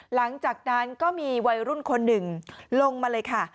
หลังจากนั้นก็มีวัยรุ่นคนหนึ่งลงมาเลยค่ะ